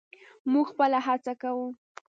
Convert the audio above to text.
موږ خپله هڅه کوو.